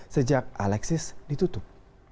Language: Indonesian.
sejak alexis ditutup